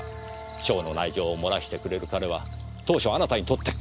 省の内情をもらしてくれる彼は当初あなたにとって好都合でした。